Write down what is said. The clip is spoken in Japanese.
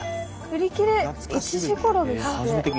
売り切れ１時ごろですって。